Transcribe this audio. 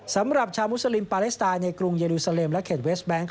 สำหรับชาวมุสลิมปาเลสไตน์ในกรุงเยลูซาเลมและเขตเวสแบงค์